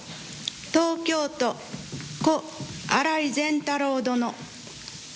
東京都新居善太郎殿。